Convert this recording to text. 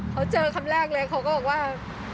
เขาเจอคำแรกเลยเขาก็บอกว่า